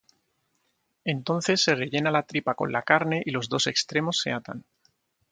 Entonces se rellena la tripa con la carne y los dos extremos se atan.